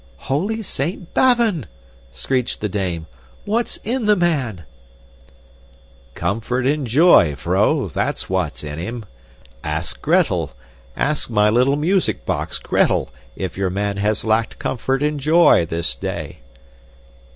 "Holy Saint Bavon!" screeched the dame. "What's in the man?" "Comfort and joy, vrouw, that's what's in him! Ask Gretel, ask my little music box Gretel if your man has lacked comfort and joy this day."